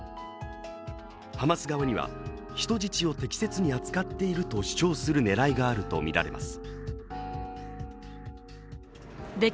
ハマス側には人質を適切に扱っていると主張する狙いがあるとみられます。